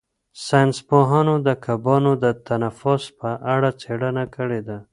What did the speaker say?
ساینس پوهانو د کبانو د تنفس په اړه څېړنه کړې ده.